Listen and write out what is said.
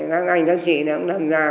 các anh các chị nó cũng tham gia